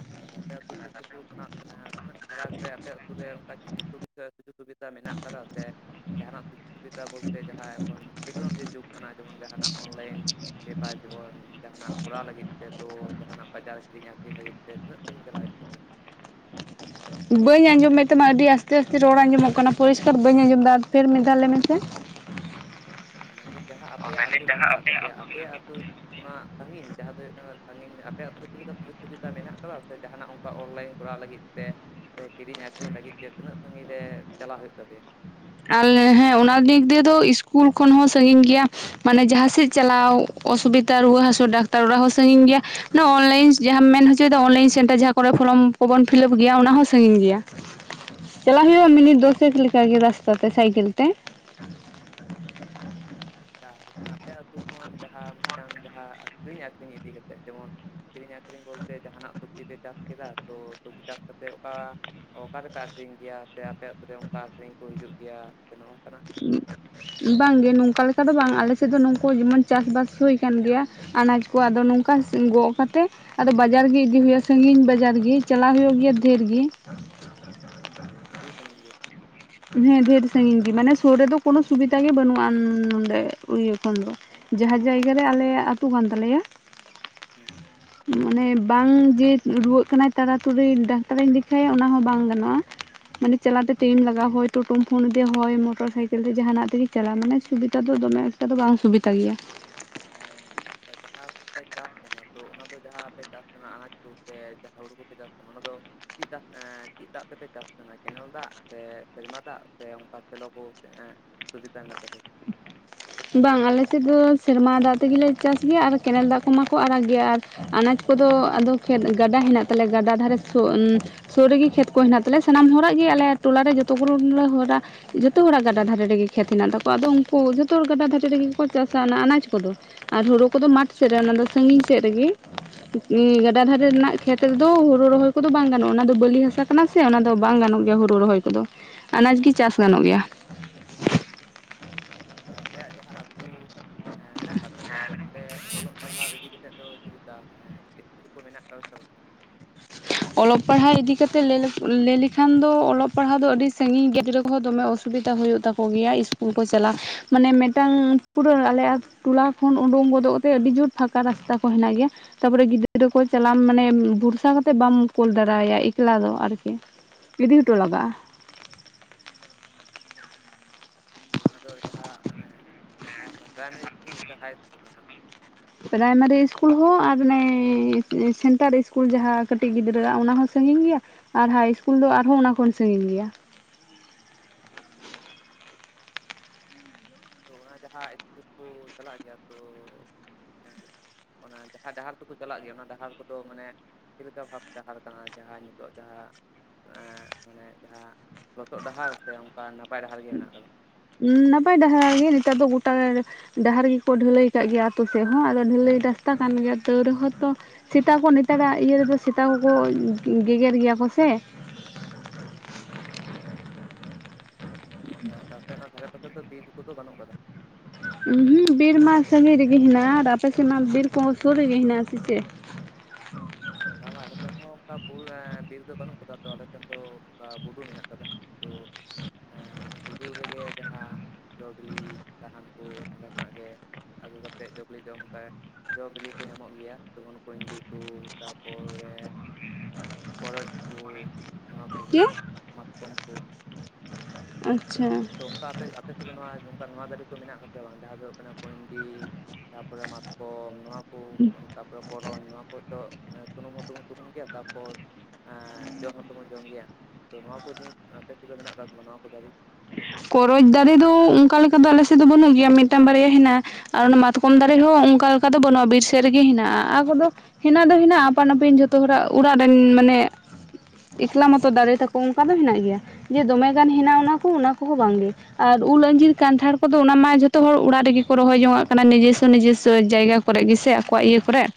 ᱟᱪᱪᱷᱟ ᱟᱯᱮ ᱟᱹᱛᱩ ᱥᱩᱨᱥᱩᱯᱩᱨ ᱠᱷᱚᱱᱟᱜ ᱟᱸ ᱛᱤᱱᱟᱹᱜ ᱯᱷᱟᱨᱟᱠ ᱨᱮ ᱟᱯᱮ ᱟᱹᱛᱩ ᱨᱮ ᱚᱝᱠᱟ ᱪᱮᱫ ᱪᱮᱫ ᱥᱩᱵᱤ ᱫᱟ ᱥᱩᱡᱳᱜ ᱥᱩᱵᱤᱫ ᱢᱮᱱᱟᱜ ᱠᱟᱫᱟ ᱥᱮ ᱡᱟᱦᱟᱸᱱᱟᱜ ᱥᱩᱡᱳᱜ ᱥᱩᱵᱤᱛᱟ ᱵᱚᱞᱛᱮ ᱡᱟᱦᱟᱸ ᱮᱠᱷᱚᱱ ᱴᱮᱠᱱᱳᱞᱚᱡᱤ ᱡᱩᱜᱽ ᱠᱟᱱᱟ ᱡᱮᱢᱚᱱ ᱡᱟᱦᱟᱸᱱᱟᱜ ᱚᱱᱞᱟᱭᱤᱱ ᱵᱮᱯᱟᱨ ᱡᱤᱵᱚᱱ ᱡᱟᱦᱟᱸᱱᱟᱜ ᱠᱚᱨᱟᱣ ᱞᱟᱹᱜᱤᱫ ᱛᱮ ᱛᱚ ᱡᱟᱦᱟᱸᱱᱟᱜ ᱵᱟᱡᱟᱨ ᱠᱤᱨᱤᱧ ᱟᱠᱷᱨᱤᱧ ᱞᱟᱹᱜᱤᱫ ᱛᱮ ᱛᱤᱱᱟᱹᱜ ᱥᱟᱺᱜᱤᱧ ᱪᱟᱞᱟᱣ ᱦᱩᱭᱩᱜ ᱛᱟᱯᱮᱭᱟ? ᱵᱟᱹᱧ ᱟᱸᱡᱚᱢᱮᱫ ᱛᱟᱢᱟ ᱟᱹᱰᱤ ᱟᱥᱛᱮ ᱟᱥᱛᱮ ᱨᱚᱲ ᱟᱸᱡᱚᱢᱚᱜ ᱠᱟᱱᱟ ᱯᱚᱨᱤᱥᱠᱟᱨ ᱵᱟᱹᱧ ᱟᱸᱡᱚᱢᱫᱟ ᱯᱷᱮᱨ ᱢᱤᱫ ᱫᱷᱟᱣ ᱞᱟᱹᱭ ᱢᱮᱥᱮ᱾ [inaudible] ᱚ ᱢᱮᱱᱫᱟᱹᱧ ᱡᱟᱦᱟᱸ ᱟᱯᱮᱭᱟᱜ ᱟᱹᱛᱩ ᱢᱮᱱᱟᱜ ᱠᱟᱫ ᱛᱟᱯᱮᱭᱟ, ᱟᱯᱮᱭᱟᱜ ᱟᱹᱛᱩ ᱚᱱᱟᱚ ᱥᱟᱺᱜᱤᱧ ᱡᱟᱦᱟᱸ ᱫᱚ ᱦᱩᱭᱩᱜ ᱠᱟᱱᱟ ᱥᱟᱺᱜᱤᱧ ᱟᱯᱮ ᱟᱛᱩ ᱨᱮ ᱪᱮᱫ ᱞᱮᱠᱟ ᱥᱩᱡᱳᱜ ᱥᱩᱵᱤᱫᱷᱟ ᱢᱮᱱᱟᱜ ᱠᱟᱫᱟ ᱥᱮ ᱡᱟᱦᱟᱱᱟᱜ ᱚᱱᱠᱟ ᱚᱱᱞᱟᱭᱤᱱ ᱠᱚᱨᱟᱣ ᱞᱟᱹᱜᱤᱫ ᱛᱮ ᱥᱮ ᱠᱤᱨᱤᱧ ᱟᱠᱷᱨᱤᱧ ᱞᱟᱹᱜᱤᱫ ᱛᱮ ᱛᱤᱱᱟᱹᱜ ᱥᱟᱺᱜᱤᱧ ᱨᱮ ᱪᱟᱞᱟᱣ ᱦᱩᱭᱩᱜ ᱛᱟᱯᱮᱭᱟ? ᱟᱞᱮ ᱦᱮᱸ ᱚᱱᱟ ᱫᱤᱠ ᱫᱤᱭᱮ ᱫᱚ ᱤᱥᱠᱩᱞ ᱠᱷᱚᱱ ᱦᱚᱸ ᱥᱟᱹᱜᱤᱧ ᱜᱮᱭᱟ, ᱢᱟᱱᱮ ᱡᱟᱦᱟᱸ ᱥᱮᱫ ᱪᱟᱞᱟᱣ ᱚᱥᱩᱵᱤᱫᱟ ᱨᱩᱣᱟᱹ ᱦᱟᱹᱥᱩ ᱰᱟᱠᱛᱟᱨ ᱚᱲᱟᱜ ᱦᱚᱸ ᱥᱟᱹᱜᱤᱧ ᱜᱮᱭᱟ, ᱱᱚᱣᱟ ᱚᱱᱞᱟᱭᱤᱱ ᱡᱟᱦᱟᱸᱟᱢ ᱢᱮᱱ ᱦᱚᱪᱚᱭᱫᱟ ᱚᱱᱞᱟᱭᱤᱱ ᱥᱮᱱᱴᱟᱨ ᱡᱟᱦᱟᱸ ᱠᱚᱨᱮ ᱯᱷᱚᱨᱚᱢ ᱠᱚᱵᱚᱱ ᱯᱷᱤᱞᱟᱯ ᱜᱮᱭᱟ ᱚᱱᱟ ᱦᱚᱸ ᱥᱟᱹᱜᱤᱧ ᱜᱮᱭᱟ᱾ ᱪᱟᱞᱟᱜ ᱦᱩᱭᱩᱜᱼᱟ ᱢᱤᱱᱤᱴ ᱫᱚᱥᱮᱠ ᱞᱮᱠᱟ ᱜᱮ ᱨᱟᱥᱛᱟ ᱛᱮ ᱥᱟᱭᱠᱮᱞ ᱛᱮ᱾ ᱟᱪᱪᱷᱟ ᱡᱟᱦᱟᱸ ᱟᱯᱮ ᱟᱹᱛᱩ ᱠᱷᱚᱱ ᱡᱟᱦᱟᱸ ᱢᱤᱫᱴᱟᱝ ᱡᱟᱦᱟᱸ ᱟᱠᱤᱨᱤᱧ ᱟᱠᱷᱨᱤᱧ ᱤᱫᱤ ᱠᱟᱛᱮᱫ ᱡᱮᱢᱚᱱ ᱠᱤᱨᱤᱧ ᱟᱹᱠᱷᱨᱤᱧ ᱵᱚᱞᱛᱮ ᱡᱟᱦᱟᱸᱱᱟᱜ ᱥᱚᱵᱽᱡᱤ ᱯᱮ ᱪᱟᱥ ᱠᱮᱫᱟ ᱛᱚ ᱥᱚᱵᱽᱡᱤ ᱪᱟᱥ ᱠᱟᱛᱮᱜ ᱚᱠᱟ ᱚᱠᱟᱨᱮᱯᱮ ᱟᱹᱠᱷᱨᱤᱧ ᱜᱮᱭᱟ ᱥᱮ ᱟᱯᱮ ᱟᱹᱛᱩ ᱨᱮ ᱚᱱᱠᱟ ᱠᱤᱨᱤᱧ ᱠᱚ ᱦᱤᱡᱩᱜ ᱜᱮᱭᱟ? ᱥᱮ ᱱᱚᱜᱼᱚᱝᱠᱟᱱᱟᱜ ᱵᱟᱝᱜᱮ ᱱᱚᱝᱠᱟ ᱞᱮᱠᱟ ᱫᱚ, ᱵᱟᱝ ᱟᱞᱮ ᱥᱮᱫ ᱫᱚ ᱱᱩᱠᱩ ᱡᱮᱢᱚᱱ ᱪᱟᱥᱵᱟᱥ ᱦᱩᱭ ᱠᱟᱱ ᱜᱮᱭᱟ ᱟᱱᱟᱡᱽ ᱠᱚ ᱟᱫᱚ ᱱᱚᱝᱠᱟ ᱜᱚᱜ ᱠᱟᱛᱮᱜ ᱟᱫᱚ ᱵᱟᱡᱟᱨ ᱜᱤ ᱤᱫᱤ ᱦᱩᱭᱩᱜᱼᱟ ᱥᱟᱹᱜᱤᱧ ᱵᱟᱡᱟᱨ ᱜᱤ ᱪᱟᱞᱟᱜ ᱦᱩᱭᱩᱜ ᱜᱮᱭᱟ ᱫᱷᱮᱹᱨ ᱜᱤ᱾ ᱟᱹᱰᱤ ᱥᱟᱸᱜᱤᱱ ᱜᱮᱭᱟ᱾ ᱦᱮᱸ ᱰᱷᱮᱨ ᱥᱟᱹᱜᱤᱧ ᱜᱤ, ᱢᱟᱱᱮ ᱥᱩᱨ ᱨᱮᱫᱚ ᱠᱳᱱᱚ ᱥᱩᱵᱤᱫᱟ ᱜᱮ ᱵᱟᱹᱱᱩᱜᱼᱟ ᱱᱚᱰᱮ ᱤᱭᱟᱹ ᱠᱷᱚᱱ ᱫᱚ᱾ ᱡᱟᱦᱟᱸ ᱡᱟᱭᱜᱟ ᱨᱮ ᱟᱞᱮᱭᱟᱜ ᱟᱹᱛᱩ ᱠᱟᱱ ᱛᱟᱞᱮᱭᱟ ᱦᱩᱸ᱾ ᱢᱟᱱᱮ ᱵᱟᱝ ᱡᱮ ᱨᱩᱣᱟᱹᱜ ᱠᱟᱱᱟᱭ ᱛᱟᱲᱟᱛᱟᱲᱤ ᱰᱟᱠᱛᱟᱨᱤᱧ ᱫᱮᱠᱷᱟᱭᱟ ᱚᱱᱟᱦᱚᱸ ᱵᱟᱝ ᱜᱟᱱᱚᱜᱼᱟ᱾ ᱢᱟᱱᱮ ᱪᱟᱞᱟᱛᱮ ᱴᱟᱭᱤᱢ ᱞᱟᱜᱟᱣ ᱦᱳᱭ ᱴᱳᱴᱳᱢ ᱯᱷᱳᱱ ᱟᱹᱫᱮᱭᱟ ᱦᱚᱭ ᱢᱚᱴᱚᱨ ᱥᱟᱭᱠᱮᱞ ᱛᱮ ᱡᱟᱦᱟᱸᱱᱟᱜ ᱛᱮᱜᱮ ᱪᱟᱞᱟᱜᱼᱟ ᱢᱟᱱᱮ ᱥᱩᱵᱤᱫᱟ ᱫᱚ ᱫᱚᱢᱮ ᱮᱠᱴᱟ ᱫᱚ ᱵᱟᱝ ᱥᱩᱵᱤᱫᱟ ᱜᱮᱭᱟ᱾ ᱟᱨ ᱡᱟᱦᱟᱸᱢ ᱯᱮ ᱪᱟᱥ ᱛᱟᱦᱮᱸᱱᱟ ᱛᱚ ᱚᱱᱟ ᱫᱚ ᱡᱟᱦᱟᱸ ᱟᱯᱮ ᱪᱟᱥ ᱛᱟᱦᱮᱸᱱᱟ ᱟᱱᱟᱡ ᱠᱚ ᱥᱮ ᱡᱟᱦᱟᱸ ᱦᱩᱲᱩ ᱠᱚᱯᱮ ᱪᱟᱥ ᱛᱟᱦᱮᱸᱱᱟ ᱚᱱᱟ ᱫᱚ ᱪᱤᱫ ᱫᱟᱥ ᱮᱸ ᱪᱤᱫ ᱫᱟᱜ ᱛᱮᱯᱮ ᱪᱟᱥ ᱛᱟᱦᱮᱸᱱᱟ? ᱠᱮᱱᱮᱞ ᱫᱟᱜ ᱥᱮ ᱥᱮᱨᱢᱟ ᱫᱟᱜ ᱥᱮ ᱚᱱᱠᱟ ᱥᱮᱞᱚ ᱠᱚ ᱮᱸ ᱥᱩᱵᱤᱫᱷᱟ ᱢᱮᱱᱟᱜ ᱠᱟᱫᱮᱭᱟ᱾ ᱵᱟᱝ ᱟᱞᱮ ᱥᱮᱫ ᱫᱚ ᱥᱮᱨᱢᱟ ᱫᱟᱜ ᱛᱮᱜᱮᱞᱮ ᱪᱟᱥ ᱜᱮᱭᱟ, ᱟᱨ ᱠᱮᱱᱮᱞ ᱫᱟᱜ ᱠᱚᱢᱟᱠᱚ ᱟᱨᱟᱜ ᱜᱮᱭᱟ, ᱟᱨ ᱟᱱᱟᱡ ᱠᱚᱫᱚ ᱟᱫᱚ ᱠᱷᱮᱛ ᱜᱟᱰᱟ ᱦᱮᱱᱟᱜ ᱛᱟᱞᱮ, ᱜᱟᱰᱟ ᱫᱷᱟᱨᱮ ᱥᱩ ᱩᱸᱻ ᱥᱳᱨ ᱨᱮᱜᱤ ᱠᱷᱮᱛ ᱠᱚ ᱦᱮᱱᱟᱜ ᱛᱟᱞᱮᱭᱟ, ᱥᱟᱱᱟᱢ ᱦᱚᱲᱟᱜ ᱜᱮ ᱟᱞᱮ ᱴᱚᱞᱟᱨᱮ ᱡᱚᱛᱚ ᱜᱩᱞᱳ ᱦᱚᱲᱟᱜ ᱡᱷᱚᱛᱚ ᱦᱚᱲᱟᱜ ᱜᱟᱰᱟ ᱫᱷᱟᱨᱮ ᱨᱮᱜᱮ ᱠᱷᱮᱛ ᱦᱮᱱᱟᱜ ᱛᱟᱠᱚᱣᱟ ᱾ ᱟᱫᱚ ᱩᱱᱠᱩ ᱡᱚᱛᱚ ᱦᱚᱲ ᱜᱟᱰᱟ ᱫᱷᱟᱨᱮ ᱨᱮᱜᱮ ᱠᱚ ᱪᱟᱥᱟ ᱚᱱᱟ ᱟᱱᱟᱡ ᱠᱚᱫᱚ᱾ ᱟᱨ ᱦᱩᱲᱳ ᱠᱚᱫᱚ ᱢᱟᱴᱷ ᱥᱮᱫ ᱨᱮ ᱚᱱᱟ ᱫᱚ ᱥᱟᱹᱜᱤᱧ ᱥᱮᱫ ᱨᱮᱜᱤ ᱩᱸ ᱜᱟᱰᱟ ᱫᱷᱟᱨᱮ ᱨᱮᱱᱟᱜ ᱠᱷᱮᱛ ᱨᱮᱫᱚ ᱦᱩᱲᱩ ᱨᱚᱦᱚᱭ ᱠᱚᱫᱚ ᱵᱟᱝ ᱜᱟᱱᱚᱜᱼᱟ, ᱚᱱᱟ ᱫᱚ ᱵᱟᱹᱞᱤ ᱦᱟᱥᱟ ᱠᱟᱱᱟ ᱥᱮ ᱚᱱᱟ ᱫᱚ ᱵᱟᱝ ᱜᱟᱱᱚᱜ ᱜᱮᱭᱟ ᱦᱩᱲᱩ ᱨᱚᱦᱚᱭ ᱠᱚᱫᱚ, ᱟᱱᱟᱡᱽ ᱜᱮ ᱪᱟᱥ ᱜᱟᱱᱚᱜ ᱜᱮᱭᱟ᱾ ᱟᱯᱮᱭᱟᱜ ᱡᱟᱦᱟᱸ ᱟᱹᱛᱩ ᱮᱸ ᱢᱮᱱᱟᱜ ᱠᱟᱫ ᱛᱟᱯᱮᱭᱟ ᱛᱚ ᱚᱸᱰᱮ ᱚᱞᱚᱜ ᱯᱟᱲᱦᱟᱜ ᱤᱫᱤ ᱠᱟᱛᱮᱜ ᱫᱚ ᱪᱮᱫ ᱞᱮᱠᱟ ᱢᱟᱱᱮ ᱤᱥᱠᱩᱞ ᱠᱚ ᱢᱮᱱᱟᱜ ᱠᱟᱫᱟ ᱥᱮ ᱵᱟᱹᱱᱩᱜ ᱠᱟᱫᱟ? [inaudible] ᱚᱞᱚᱜ ᱯᱟᱲᱦᱟᱣ ᱤᱫᱤ ᱠᱟᱛᱮᱜ ᱞᱟᱹᱭ ᱞᱮᱠᱟ, ᱞᱟᱹᱭ ᱞᱮᱠᱷᱟᱱ ᱫᱚ ᱚᱞᱚᱜ ᱯᱟᱲᱦᱟᱣ ᱫᱚ ᱟᱹᱰᱤ ᱥᱟᱹᱜᱤᱧ ᱜᱤᱫᱽᱟᱹ ᱠᱚᱦᱚ ᱫᱚᱢ ᱚᱥᱚ ᱥᱩᱵᱤᱫᱟ ᱦᱩᱭᱩᱜ ᱛᱟᱠᱚ ᱜᱮᱭᱟ ᱤᱥᱠᱩᱞ ᱠᱚ ᱪᱟᱞᱟᱜ, ᱢᱟᱱᱮ ᱢᱤᱫᱴᱟᱝ ᱯᱩᱨᱟᱹ ᱟᱞᱮᱭᱟᱜ ᱴᱚᱞᱟ ᱠᱷᱚᱱ ᱩᱰᱳᱝ ᱜᱚᱫᱚᱜ ᱨᱮ ᱟᱹᱰᱤ ᱡᱩᱨ ᱯᱷᱟᱸᱠᱟ ᱨᱟᱥᱛᱟ ᱠᱚ ᱦᱮᱱᱟᱜ ᱜᱮᱭᱟ, ᱛᱟᱯᱚᱨᱮ ᱜᱤᱫᱽᱨᱟᱹ ᱠᱚ ᱪᱟᱞᱟᱜ ᱢᱟᱱᱮ ᱵᱷᱩᱨ ᱥᱟ ᱠᱟᱛᱮᱜ ᱵᱟᱢ ᱠᱳᱞ ᱫᱟᱨᱮ ᱟᱭᱟ ᱮᱠᱞᱟ ᱫᱚ ᱟᱨᱠᱤ, ᱤᱫᱤ ᱦᱚᱴᱚ ᱞᱟᱜᱟᱜᱼᱟ᱾ ᱛᱚ ᱚᱱᱟ ᱫᱚ ᱡᱟᱦᱟᱸ ᱢᱟᱱᱮ ᱡᱟᱦᱟᱸ ᱚᱱᱟ ᱯᱨᱟᱭᱢᱟᱨᱤ ᱤᱥᱠᱩᱞ ᱥᱮ ᱦᱟᱭ ᱤᱥᱠᱩᱞ ᱚᱱᱟ ᱫᱚ? ᱯᱨᱟᱭᱢᱟᱨᱤ ᱤᱥᱠᱩᱞ ᱦᱚᱸ ᱟᱨ ᱚᱱᱮ ᱥᱮᱱᱴᱟᱨ ᱤᱥᱠᱩᱞ ᱡᱟᱦᱟᱸ ᱠᱟᱹᱴᱤᱡ ᱜᱤᱫᱽᱨᱟᱹᱣᱟᱜ ᱚᱱᱟ ᱦᱚᱸ ᱥᱟᱹᱜᱤᱧ ᱜᱮᱭᱟ ᱟᱨ ᱦᱟᱭ ᱤᱥᱠᱩᱞ ᱫᱚ ᱟᱨᱦᱚᱸ ᱚᱱᱟ ᱠᱷᱚᱱ ᱥᱟᱹᱜᱤᱧ ᱜᱮᱭᱟ᱾ ᱛᱚ ᱚᱱᱟ ᱡᱟᱦᱟᱸ ᱤᱥᱠᱩᱞ ᱠᱚ ᱪᱟᱞᱟᱜ ᱜᱮᱭᱟ, ᱛᱚ ᱮᱸᱜ ᱚᱱᱟ ᱡᱟᱦᱟᱸ ᱰᱟᱦᱟᱨ ᱛᱮᱠᱚ ᱪᱟᱞᱟᱜ ᱜᱮᱭᱟ ᱚᱱᱟ ᱰᱟᱦᱟᱨ ᱠᱚᱫᱚ ᱢᱟᱱᱮ ᱪᱮᱫ ᱞᱮᱠᱟ ᱵᱷᱟᱵ ᱰᱟᱦᱟᱨ ᱠᱟᱱᱟ ᱡᱟᱦᱟᱸ ᱱᱤᱛᱚᱜ ᱡᱟᱦᱟᱸ ᱮᱸᱜ ᱢᱟᱱᱮ ᱡᱟᱦᱟᱸ ᱟᱸᱜ ᱞᱚᱥᱚᱫ ᱰᱟᱦᱟᱨ ᱥᱮ ᱚᱝᱠᱟ ᱱᱟᱯᱟᱭ ᱰᱟᱦᱟᱨ ᱜᱮ ᱢᱮᱱᱟᱜ ᱠᱟᱫᱟ? ᱩᱸ ᱱᱟᱯᱟᱭ ᱰᱟᱦᱟᱨ ᱜᱮ ᱱᱮᱛᱟᱨ ᱫᱚ ᱜᱚᱴᱟ ᱰᱟᱦᱟᱨ ᱜᱮᱠᱚ ᱰᱷᱟᱹᱞᱟᱹᱭ ᱠᱟᱜ ᱜᱮᱭᱟ ᱟᱛᱳ ᱥᱮᱫ ᱦᱚᱸ, ᱟᱫᱚ ᱰᱷᱟᱹᱞᱟᱹᱭ ᱨᱟᱥᱛᱟ ᱠᱟᱱ ᱜᱮᱭᱟ ᱛᱟᱹᱣ ᱨᱮᱦᱚᱸ ᱛᱚ᱾ ᱥᱮᱛᱟ ᱠᱚ ᱱᱮᱛᱟᱨᱟᱜ ᱤᱭᱟᱹ ᱨᱮᱫᱚ ᱥᱮᱛᱟ ᱠᱚᱠᱚ ᱜᱮᱜᱮᱨ ᱜᱮᱭᱟ ᱠᱚ ᱥᱮ? ᱟᱪᱪᱷᱟ ᱟᱯᱮ ᱚᱱᱟ ᱫᱷᱟᱨᱮ ᱯᱟᱥᱮ ᱫᱚ ᱵᱤᱨ ᱠᱚᱫᱚ ᱵᱟᱹᱱᱩᱜ ᱠᱟᱫᱟ? ᱩᱸᱦᱩᱜ ᱵᱤᱨᱢᱟ ᱥᱟᱹᱜᱤᱧ ᱨᱮᱜᱮ ᱦᱮᱸᱱᱟᱜᱼᱟ, ᱟᱯᱮ ᱥᱮᱫ ᱢᱟ ᱵᱤᱨ ᱠᱚᱦᱚᱸ ᱥᱩᱨ ᱨᱮᱜᱮ ᱦᱮᱱᱟᱜᱼᱟ ᱥᱮ ᱪᱮᱫ? ᱵᱟ ᱵᱟ ᱟᱞᱮ ᱥᱮᱱ ᱦᱚᱸ ᱚᱱᱠᱟ ᱵᱩᱨᱩ ᱮᱸ ᱵᱤᱨ ᱫᱚ ᱵᱟᱹᱱᱩᱜ ᱠᱟᱫᱟ, ᱛᱚ ᱟᱞᱮ ᱴᱷᱮᱱ ᱫᱚ ᱚᱱᱠᱟ ᱵᱩᱨᱩᱩ ᱢᱮᱱᱟᱜ ᱠᱟᱫᱟ᱾ ᱛᱚ ᱮᱸ ᱵᱩᱨᱩ ᱨᱮᱜᱮ ᱡᱟᱦᱟᱸ ᱡᱚ ᱵᱤᱞᱤ ᱥᱟᱦᱟᱱ ᱠᱚ ᱚᱸᱰᱮ ᱠᱷᱚᱱᱟᱜ ᱜᱮ ᱟᱹᱜᱩ ᱠᱟᱛᱮᱜ ᱡᱚ ᱵᱤᱞᱤ ᱡᱚᱢ ᱠᱟ ᱡᱚ ᱵᱤᱞᱤ ᱠᱚ ᱧᱟᱢᱚᱜ ᱜᱮᱭᱟ, ᱛᱚ ᱩᱱᱠᱩ ᱤᱧᱰᱤ ᱠᱩ ᱛᱟ ᱯᱚᱨᱮ ᱠᱚᱨᱚᱪ ᱠᱩ ᱱᱚᱣᱟ ᱠᱚᱦᱚᱸ ᱪᱮᱫ? ᱢᱟᱛᱠᱚᱢ ᱠᱚ ᱟᱪᱪᱷᱟ᱾ ᱛᱚ ᱚᱝᱠᱟ ᱟᱯᱮ ᱟᱯᱮ ᱥᱮᱫ ᱫᱚ ᱱᱚᱣᱟ ᱱᱚᱝᱠᱟ ᱱᱚᱣᱟ ᱜᱟᱹᱰᱤ ᱠᱚ ᱢᱮᱱᱟᱜ ᱛᱟᱯᱮᱭᱟ ᱵᱟᱝ ᱡᱟᱦᱟᱸ ᱫᱚ ᱦᱩᱭᱩᱜ ᱠᱟᱱᱟ ᱠᱩᱧᱰᱤ ᱛᱟᱯᱚᱨᱮ ᱢᱟᱛᱠᱚᱢ ᱱᱚᱣᱟ ᱠᱩ ᱛᱟᱯᱚᱨᱮ ᱯᱚᱨᱚᱧᱪ ᱱᱚᱣᱟ ᱠᱚ ᱫᱚ ᱮᱸ ᱥᱩᱱᱩᱢ ᱦᱚᱸ ᱥᱩᱱᱩᱢ ᱜᱮᱭᱟ ᱛᱟᱨᱯᱚᱨ ᱮᱸ ᱡᱚᱢ ᱦᱚᱸᱛᱚ ᱵᱚᱱ ᱡᱚᱢ ᱜᱮᱭᱟ, ᱛᱚ ᱱᱚᱣᱟ ᱠᱚ ᱡᱤᱱᱤᱥ ᱟᱯᱮ ᱥᱮᱫ ᱫᱚ ᱢᱮᱱᱟᱜ ᱠᱟᱜ ᱥᱮᱵᱟᱝ ᱱᱚᱣᱟ ᱠᱚ ᱫᱟᱨᱮ? ᱠᱚᱨᱚᱪ ᱫᱟᱨᱮ ᱫᱚ ᱚᱝᱠᱟ ᱞᱮᱠᱟ ᱫᱚ ᱟᱞᱮ ᱥᱮᱫ ᱫᱚ ᱵᱟᱹᱱᱩᱜ ᱜᱮᱭᱟ ᱢᱤᱫᱴᱟᱝ ᱵᱟᱨᱭᱟ ᱦᱮᱸᱱᱟᱜᱼᱟ᱾ ᱟᱨ ᱚᱱᱟ ᱢᱟᱛᱠᱚᱢ ᱫᱟᱨᱮ ᱦᱚᱸ ᱚᱱᱠᱟ ᱞᱮᱠᱟ ᱫᱚ ᱵᱟᱹᱱᱩᱜᱼᱟ ᱵᱤᱨ ᱥᱮᱫ ᱨᱮᱜᱮ ᱦᱮᱱᱟᱜᱼᱟ, ᱟᱨ ᱠᱚᱫᱚ ᱦᱤᱱᱟᱜ ᱫᱚ ᱦᱤᱱᱟᱜᱼᱟ ᱟᱯᱟᱱ ᱟᱹᱯᱤᱱ ᱡᱷᱚᱛᱚ ᱦᱚᱲᱟᱜ ᱚᱲᱟᱜ ᱨᱮ ᱢᱟᱱᱮ ᱮᱠᱞᱟ ᱢᱚᱛᱚ ᱫᱟᱨᱮ ᱛᱟᱠᱚ ᱚᱱᱠᱟ ᱫᱚ ᱦᱮᱸᱱᱟᱜ ᱜᱮᱭᱟ, ᱡᱮ ᱫᱚᱢᱮ ᱜᱟᱱ ᱦᱮᱱᱟᱜᱼᱟ ᱚᱱᱟ ᱠᱩ ᱚᱱᱟ ᱠᱚᱦᱚᱸ ᱵᱟᱝᱜᱮ᱾ ᱟᱨ ᱩᱞ ᱟᱺᱡᱤᱨ ᱠᱟᱱᱴᱷᱟᱲ ᱠᱚᱫᱚ ᱚᱱᱟ ᱢᱟ ᱡᱷᱚᱛᱚ ᱦᱚᱲ ᱚᱲᱟᱜ ᱨᱮᱜᱮ ᱠᱚ ᱨᱚᱦᱚᱭ ᱡᱚᱝᱱᱟᱜ ᱠᱟᱱᱟ ᱱᱤᱡᱮᱥᱥᱚ ᱱᱤᱡᱮᱥᱥᱚ ᱡᱟᱭᱜᱟ ᱠᱚᱨᱮ ᱜᱮᱥᱮ ᱟᱠᱚᱣᱟᱜ ᱤᱭᱟᱹ ᱠᱚᱨᱮᱜ᱾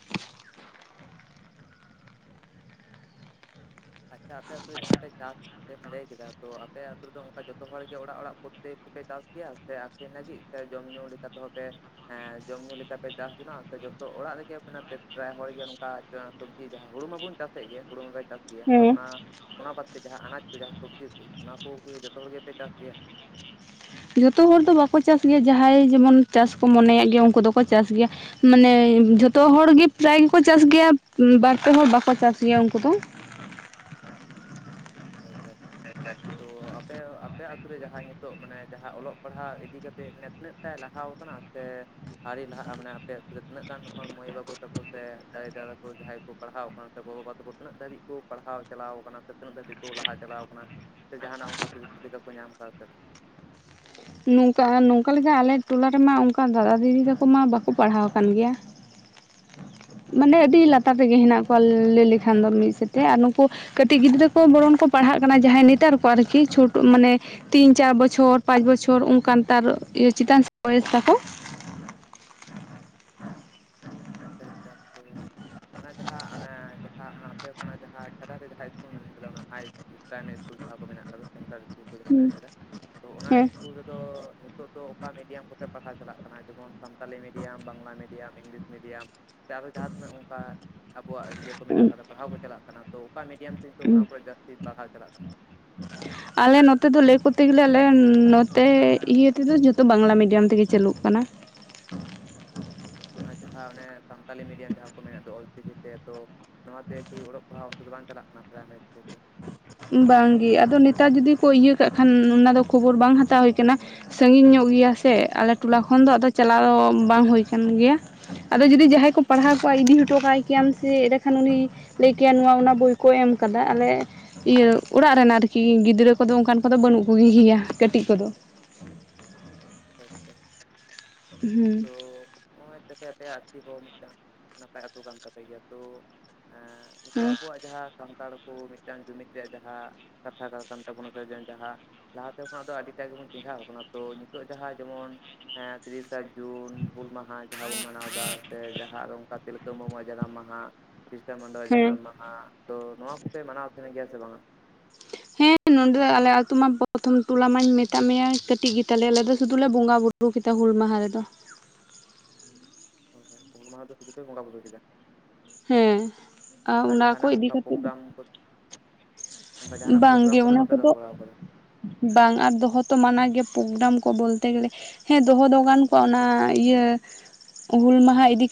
ᱟᱪᱪᱷᱟ ᱟᱯᱮ ᱟᱹᱛᱩ ᱨᱮ ᱡᱟᱦᱟᱸ ᱯᱮ ᱪᱟᱥ ᱮᱢ ᱞᱟᱹᱭ ᱠᱮᱫᱟ ᱛᱚ ᱟᱯᱮ ᱟᱛᱳ ᱨᱮᱫᱚ, ᱚᱝᱠᱟ ᱡᱚᱛᱚ ᱦᱚᱲ ᱜᱮ, ᱚᱲᱟᱜ ᱚᱲᱟᱜ ᱯᱨᱚᱛᱛᱮᱠ ᱠᱚᱯᱮ ᱪᱟᱥ ᱜᱮᱭᱟ ᱥᱮ? ᱪᱮ ᱞᱟᱹᱜᱤᱫ ᱥᱮ ᱡᱚᱢ ᱧᱩ ᱞᱮᱠᱟ ᱛᱮᱦᱚ ᱯᱮ ᱦᱮᱸ ᱡᱚᱢ ᱧᱩ ᱞᱮᱠᱟ ᱯᱮ ᱪᱟᱥ ᱡᱚᱱᱟᱜ-ᱟ, ᱥᱮ ᱡᱚᱛᱚ ᱚᱲᱟᱜ ᱨᱮᱜᱮ ᱯᱨᱟᱭ ᱦᱚᱲ ᱜᱮ ᱱᱚᱝᱠᱟ ᱥᱚᱵᱡᱤ ᱡᱟᱦᱟᱸ, ᱦᱳᱲᱳ ᱢᱟᱵᱚᱱ ᱪᱟᱥᱮᱫ ᱜᱮ, ᱦᱳᱲᱳ ᱢᱟᱵᱟᱭ ᱪᱟᱥ ᱜᱮ ᱛᱚ ᱦᱮᱸ ᱚᱱᱟ ᱚᱱᱟ ᱵᱟᱫᱛᱮ ᱡᱟᱦᱟᱸ, ᱟᱱᱟᱡ ᱠᱚ ᱡᱟᱦᱟᱸ ᱥᱚᱵᱡᱤ ᱠᱚ ᱚᱱᱟ ᱠᱚᱸ ᱡᱚᱛᱚ ᱦᱚᱲ ᱜᱮᱯᱮ ᱪᱟᱥ ᱜᱮᱭᱟ? ᱡᱚᱛᱚ ᱦᱚᱲ ᱫᱚ ᱵᱟᱠᱚ ᱪᱟᱥ ᱜᱮᱭᱟ, ᱡᱟᱦᱟᱸᱭ ᱡᱮᱢᱚᱱ ᱪᱟᱥ ᱠᱚ ᱢᱚᱱᱮᱭᱟᱜ ᱜᱮᱭᱟ, ᱩᱱᱠᱩ ᱫᱚᱠᱚ ᱪᱟᱥ ᱜᱮᱭᱟ᱾ ᱢᱟᱱᱮ ᱡᱷᱚᱛᱚ ᱦᱚᱲᱜᱮ, ᱯᱨᱟᱭ ᱜᱮᱠᱚ ᱪᱟᱥ ᱜᱮᱭᱟ, ᱵᱟᱨ ᱯᱮ ᱦᱚᱲ ᱵᱟᱠᱚ ᱪᱟᱥ ᱜᱮᱭᱟ ᱩᱱᱠᱩ ᱫᱚ᱾ ᱟᱪᱪᱷᱟ, ᱟᱪᱪᱷᱟ, ᱛᱚ ᱟᱯᱮ, ᱟᱯᱮ ᱟᱹᱛᱩ ᱨᱮ ᱡᱟᱦᱟᱸ ᱱᱤᱛᱚᱜ, ᱢᱟᱱᱮ-ᱡᱟᱦᱟᱸ ᱚᱞᱚᱜ ᱯᱟᱲᱦᱟᱜ ᱤᱫᱤ ᱠᱟᱛᱮᱜ, ᱢᱟᱱᱮ ᱛᱤᱱᱟᱹᱜ ᱴᱟᱭ ᱞᱟᱦᱟᱣ ᱠᱟᱱᱟ ᱥᱮ ᱟᱣᱨᱤ ᱞᱟᱦᱟᱜᱼᱟ? ᱢᱟᱱᱮ ᱟᱯᱮ ᱟᱹᱛᱩ ᱨᱮ ᱛᱤᱱᱟᱹ ᱜᱟᱱ, ᱢᱟᱹᱭ ᱵᱟᱹᱵᱩ ᱛᱟᱠᱚ ᱥᱮ ᱫᱟᱹᱭ ᱫᱟᱫᱟ ᱛᱟᱠᱚ ᱡᱟᱦᱟᱸᱭ ᱠᱚ ᱯᱟᱲᱦᱟᱣ ᱠᱟᱱᱟ, ᱥᱮ ᱜᱚ ᱵᱟᱵᱟ ᱛᱟᱠᱚ ᱛᱤᱱᱟᱹᱜ ᱫᱷᱟᱹᱵᱤᱡ ᱠᱚ ᱯᱟᱲᱦᱟᱣ ᱪᱟᱞᱟᱣ ᱠᱟᱱᱟ, ᱥᱮ ᱛᱤᱱᱟᱹᱜ ᱫᱷᱟᱹᱵᱤᱡ ᱠᱚ ᱞᱟᱦᱟ ᱪᱟᱞᱟᱣ ᱠᱟᱱᱟ, ᱥᱮ ᱡᱟᱦᱟᱱᱟᱜ ᱚᱱᱠᱟ ᱥᱩᱡᱳᱜᱽ ᱥᱩᱵᱤᱫᱷᱟ ᱠᱚ ᱧᱟᱢ ᱠᱟᱫᱟ ᱥᱮ ᱵᱟᱝ? ᱱᱚᱝᱠᱟ, ᱱᱚᱝᱠᱟ ᱞᱮᱠᱟ ᱟᱞᱮ ᱴᱚᱞᱟ ᱨᱮᱢᱟ ᱚᱝᱠᱟ ᱫᱟᱫᱟ, ᱫᱤᱫᱤ ᱛᱟᱠᱚ ᱢᱟ ᱵᱟᱠᱚ ᱯᱟᱲᱦᱟᱣ ᱟᱠᱟᱱ ᱜᱮᱭᱟ᱾ ᱢᱟᱱᱮ ᱟᱹᱰᱤ ᱞᱟᱛᱟᱨ ᱨᱮᱜᱮ ᱦᱮᱱᱟᱜ ᱠᱚᱣᱟ, ᱞᱟᱹᱭ ᱞᱮᱠᱷᱟᱱ ᱫᱚ ᱢᱤᱫ ᱥᱮᱫᱛᱮ, ᱟᱨ ᱱᱩᱠᱩ ᱠᱟᱹᱴᱤᱡ ᱜᱤᱫᱽᱨᱟᱹ ᱠᱚ ᱵᱚᱨᱚᱱ ᱠᱚ, ᱯᱟᱲᱦᱟᱜ ᱠᱟᱱᱟ ᱡᱟᱦᱟᱸᱭ ᱱᱮᱛᱟᱨ ᱠᱚ, ᱟᱨᱠᱤ ᱪᱷᱳᱴᱚ ᱢᱟᱱᱮ ᱛᱤᱱ ᱪᱟᱨ ᱵᱚᱪᱷᱚᱨ, ᱯᱟᱸᱪ ᱵᱚᱪᱷᱚᱨ ᱚᱱᱠᱟᱱ ᱛᱟᱨ ᱪᱮᱛᱟᱱ ᱥᱮᱱ ᱵᱚᱭᱮᱥ ᱛᱟᱠᱚ, ᱟᱪᱪᱷᱟ, ᱟᱪᱪᱷᱟ, ᱛᱚ ᱚᱱᱟ ᱡᱟᱦᱟᱸ ᱚᱱᱮ ᱡᱟᱦᱟᱸ, ᱚᱱᱟ ᱟᱯᱮ ᱠᱷᱚᱱᱟᱜ ᱡᱟᱦᱟᱸ, ᱪᱷᱟᱰᱟ ᱨᱮ ᱡᱟᱦᱟᱸ ᱤᱥᱠᱩᱞ ᱞᱟᱹᱭᱠᱮᱫᱟ, ᱚᱱᱟ ᱦᱟᱭ ᱯᱨᱟᱭᱢᱟᱨᱤ ᱤᱥᱠᱩᱞ ᱡᱟᱦᱟᱸ ᱠᱚ ᱢᱮᱱᱟᱜ ᱠᱟᱫᱟ᱾ ᱥᱮᱱᱴᱟᱨ ᱤᱥᱠᱩᱞ ᱠᱚ ᱡᱟᱦᱟᱸ ᱢᱮᱱ ᱠᱮᱫᱟ, ᱛᱚ ᱚᱱᱟ ᱦᱮᱸ ᱤᱥᱠᱩᱞ ᱨᱮᱫᱚ ᱱᱤᱛᱚᱜ ᱫᱚ, ᱚᱠᱟ ᱢᱤᱰᱤᱭᱟᱢ ᱠᱚᱛᱮ ᱯᱟᱲᱦᱟᱣ ᱪᱟᱞᱟᱜ ᱠᱟᱱᱟ᱾ ᱠᱟᱱᱟ ᱡᱮᱢᱚᱱ Santali medium, Bangla medium, English medium? ᱥᱮ ᱟᱨᱚ ᱡᱟᱦᱟᱸ ᱛᱤᱱᱟᱹᱜ ᱚᱱᱠᱟ, ᱟᱵᱚᱣᱟᱜ ᱤᱭᱟᱹ ᱠᱚ ᱢᱮᱱᱟᱜ ᱠᱟᱫᱟ, ᱯᱟᱲᱦᱟᱣ ᱠᱚ ᱪᱟᱞᱟᱜ ᱠᱟᱱᱟ, ᱛᱚ ᱚᱠᱟ ᱢᱤᱰᱤᱭᱟᱢ ᱛᱮ? ᱠᱤᱱᱛᱩ ᱚᱱᱟ ᱠᱚᱨᱮ ᱡᱟᱹᱥᱛᱤ ᱯᱟᱲᱦᱟᱣ ᱪᱟᱞᱟᱜ ᱠᱟᱱᱟ? [inaudible] [unintelligible] ᱟᱞᱮ ᱱᱚᱛᱮ ᱫᱚ ᱞᱟᱹᱭ ᱠᱚᱨᱛᱮ ᱜᱮᱞᱮ, ᱟᱞᱮ ᱱᱚᱛᱮ ᱤᱭᱟᱹ ᱛᱮᱫᱚ ᱡᱚᱛᱚ, ᱵᱟᱝᱞᱟ ᱢᱤᱰᱤᱭᱟᱢ ᱛᱮᱜᱮ ᱪᱟᱹᱞᱩᱜ ᱠᱟᱱᱟ᱾ ᱟᱨ ᱡᱟᱦᱟᱸ ᱚᱱᱮ ᱥᱟᱱᱛᱟᱞᱤ ᱢᱤᱰᱤᱭᱟᱢ, ᱡᱟᱦᱟᱸ ᱠᱚ ᱢᱮᱱᱮᱜ ᱫᱚ ᱚᱞᱪᱤᱠᱤᱛᱮ ᱛᱚ ᱱᱚᱶᱟᱛᱮ ᱠᱤ ᱚᱞᱚᱜ ᱯᱟᱲᱦᱟᱣ ᱚᱱᱛᱮ, ᱫᱚ ᱵᱟᱝ ᱪᱟᱞᱟᱜ ᱠᱟᱱᱟ, ᱯᱨᱟᱭᱢᱟᱨᱤ ᱤᱥᱠᱩᱞ ᱨᱮ? ᱵᱟᱝᱜᱮ, ᱟᱫᱚ ᱱᱮᱛᱟᱨ ᱡᱩᱫᱤ ᱠᱚ ᱤᱭᱟᱹ ᱠᱟᱜ ᱠᱷᱟᱱ, ᱚᱱᱟ ᱫᱚ ᱠᱷᱚᱵᱚᱨ ᱵᱟᱝ ᱦᱟᱛᱟᱣ ᱦᱳᱭ ᱠᱟᱱᱟ᱾ ᱥᱟᱺᱜᱤᱧ ᱧᱚᱜ ᱜᱮᱭᱟ ᱥᱮ, ᱟᱞᱮ ᱴᱚᱞᱟ ᱠᱷᱚᱱ ᱫᱚ ᱟᱫᱚ ᱪᱟᱞᱟᱣ ᱵᱟᱝ ᱦᱳᱭ ᱠᱟᱱ ᱜᱮᱭᱟ᱾ ᱟᱫᱚ ᱡᱩᱫᱤ ᱡᱟᱦᱟᱸᱭ ᱠᱚ ᱯᱟᱲᱦᱟᱣ ᱠᱚᱣᱟ, ᱤᱫᱤ ᱦᱚᱴᱚ ᱠᱟᱭ ᱠᱮᱭᱟᱢ ᱥᱮ, ᱮᱸᱰᱮ ᱠᱷᱟᱱ ᱩᱱᱤ ᱞᱟᱹᱭ ᱠᱮᱭᱟ, ᱱᱚᱶᱟ ᱚᱱᱟ ᱵᱳᱭ ᱠᱚ ᱮᱢ ᱠᱟᱫᱟ, ᱟᱞᱮ ᱤᱭᱟᱹ ᱚᱲᱟᱜ ᱨᱮᱱ ᱟᱨᱠᱤ ᱜᱤᱫᱽᱨᱟᱹ ᱠᱚᱫᱚ, ᱚᱱᱠᱟᱱ ᱠᱚᱫᱚ ᱵᱟᱹᱱᱩᱜ ᱠᱚᱜᱮ ᱜᱮᱭᱟ ᱠᱟᱹᱴᱤᱡ ᱠᱚᱫᱚ᱾ ᱟᱪᱪᱷᱟ, ᱦᱩᱸ, ᱛᱚ ᱱᱚᱜᱼᱚᱭ ᱛᱟᱯᱮ ᱟᱯᱮᱭᱟᱜ ᱟᱹᱛᱩ ᱦᱚᱸ, ᱢᱤᱫᱴᱟᱝ ᱱᱟᱯᱟᱭ ᱟᱹᱛᱩ ᱠᱟᱱ ᱛᱟᱯᱮ ᱜᱮᱭᱟ, ᱛᱚ ᱮᱸ ᱱᱤᱛᱚᱜ ᱦᱮᱸ ᱟᱵᱚᱣᱟᱜ ᱡᱟᱦᱟᱸ ᱥᱟᱱᱛᱟᱲ ᱠᱚ, ᱢᱤᱫᱴᱟᱱ ᱡᱩᱢᱤᱫ ᱨᱮᱭᱟᱜ ᱡᱟᱦᱟᱸ, ᱠᱟᱛᱷᱟ ᱠᱟᱱ ᱛᱟᱵᱚᱱᱟ ᱥᱮ ᱡᱟᱦᱟᱸ ᱞᱟᱦᱟᱛᱮ ᱠᱷᱚᱱᱟᱜ ᱫᱚ, ᱟᱹᱰᱤᱴᱟᱜ ᱜᱮᱵᱚᱱ ᱪᱮᱸᱜᱷᱟᱣ ᱠᱟᱱᱟ, ᱛᱚ ᱱᱤᱛᱚᱜ ᱡᱟᱦᱟᱸ ᱡᱮᱢᱚᱱ ᱛᱤᱨᱤᱥᱟ ᱡᱩᱱ ᱦᱩᱞ ᱢᱟᱦᱟ, ᱡᱟᱦᱟᱸ ᱵᱚᱱ ᱢᱟᱱᱟᱣᱫᱟ ᱥᱮ ᱡᱟᱦᱟᱸ ᱚᱱᱠᱟ, ᱛᱤᱞᱠᱟᱹ ᱢᱩᱨᱢᱩᱣᱟᱜ ᱡᱟᱱᱟᱢ ᱢᱟᱦᱟ ᱵᱤᱨᱥᱟᱹ ᱢᱩᱱᱰᱟ-ᱟ ᱦᱮᱸ ᱡᱟᱱᱟᱢ ᱢᱟᱦᱟ, ᱛᱚ ᱱᱚᱶᱟ ᱠᱚᱯᱮ, ᱢᱟᱱᱟᱣ ᱛᱟᱦᱮᱱ ᱜᱮᱭᱟ, ᱥᱮ ᱵᱟᱝᱼᱟ? ᱦᱮᱸ, ᱱᱚᱸᱰᱮ ᱟᱞᱮ ᱟᱛᱳ ᱢᱟ, ᱯᱨᱚᱛᱷᱚᱢ ᱴᱚᱞᱟ ᱢᱟᱧ ᱢᱮᱛᱟᱜ ᱢᱮᱭᱟ, ᱠᱟᱹᱴᱤᱡ ᱜᱮ ᱛᱟᱞᱮᱭᱟ, ᱟᱞᱮ ᱫᱚ ᱥᱩᱫᱩ ᱞᱮᱱᱟ ᱵᱚᱸᱜᱟ ᱵᱩᱨᱩ ᱵᱩ ᱠᱮᱫᱟ ᱦᱩᱞ ᱢᱟᱦᱟ ᱨᱮᱫᱚ᱾ ᱦᱩᱞ ᱢᱟᱦᱟ ᱫᱚ, ᱥᱩᱫᱩ ᱯᱮ ᱵᱚᱸᱜᱟ ᱵᱵᱩᱨᱩ ᱠᱮᱫᱟ? ᱦᱮᱸ ᱟᱨ ᱚᱱᱠᱟ ᱚᱱᱟ ᱠᱚ ᱡᱟᱦᱟᱱᱟᱜ ᱤᱫᱤ ᱚᱱᱠᱟ, ᱠᱟᱛᱮᱫ ᱫᱚ ᱯᱨᱳᱜᱨᱟᱢ ᱠᱚ ᱚᱱᱠᱟ ᱡᱟᱦᱟᱱᱟᱜ ᱯᱨᱳᱜᱨᱟᱢ ᱵᱟᱝᱜᱮ ᱠᱚᱫᱚ, ᱚᱱᱟ ᱵᱟᱯᱮ ᱫᱚᱦᱚ ᱵᱟᱲᱟᱣ ᱠᱟᱫᱟ? ᱵᱟᱝ ᱟᱨ ᱫᱚᱦᱚ ᱛᱚ ᱢᱟᱱᱟ ᱜᱮ ᱯᱨᱳᱜᱨᱟᱢ ᱠᱚ ᱵᱚᱞᱮ ᱦᱮᱸ ᱫᱚᱦᱚ ᱫᱚ ᱜᱟᱱ ᱠᱚᱣᱟ ᱚᱱᱟ ᱤᱭᱟᱹ ᱦᱩᱞ ᱢᱟᱦᱟ ᱤᱫᱤ